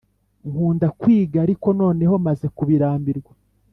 Nkunda kwiga ariko noneho maze kubirambirwa